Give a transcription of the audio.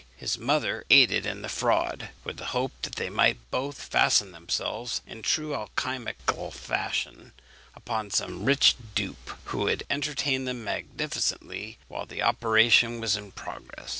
His mother aided in the fraud, with the hope they might both fasten themselves, in the true alchymical fashion, upon some rich dupe, who would entertain them magnificently while the operation was in progress.